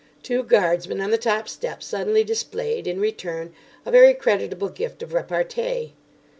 Two guardsmen on the top step suddenly displayed, in return, a very creditable gift of repartee.